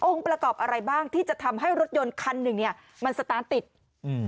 ประกอบอะไรบ้างที่จะทำให้รถยนต์คันหนึ่งเนี้ยมันสตาร์ทติดอืม